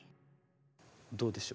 どうでしょう？